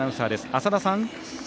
浅田さん。